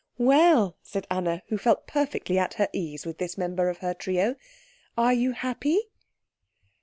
"Well," said Anna, who felt perfectly at her ease with this member of her trio, "are you happy?"